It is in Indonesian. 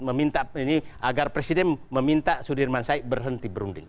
meminta ini agar presiden meminta sudirman said berhenti berunding